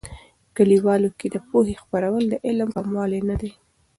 کلیوالو کې د پوهې خپرول، د علم کموالی نه دي.